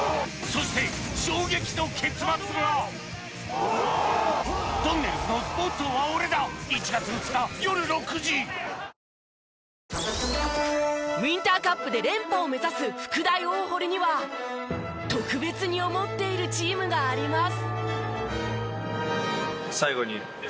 へぇウインターカップで連覇を目指す福大大濠には特別に思っているチームがあります。